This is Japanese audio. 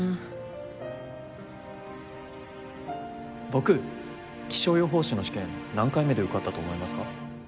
僕気象予報士の試験何回目で受かったと思いますか？